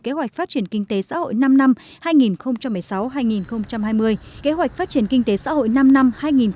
kế hoạch phát triển kinh tế xã hội năm năm hai nghìn một mươi sáu hai nghìn hai mươi kế hoạch phát triển kinh tế xã hội năm năm hai nghìn hai mươi một hai nghìn hai mươi năm